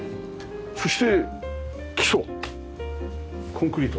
そして基礎コンクリート。